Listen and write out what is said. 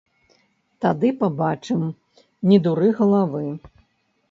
Тады пабачым, не дуры галавы!